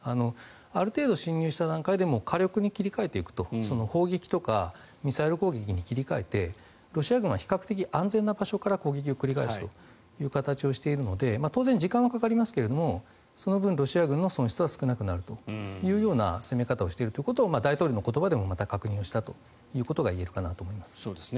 ある程度侵入した段階で火力に切り替えていくと砲撃とかミサイル攻撃に切り替えてロシア軍は比較的安全な場所から攻撃を繰り返すという形にしているので当然時間はかかりますがその分ロシア軍の損失は少なくなるというような攻め方をしているということを大統領の言葉でもまた確認したということが言えるかなと思います。